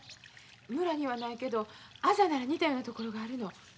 村にはないけど字なら似たような所があるの。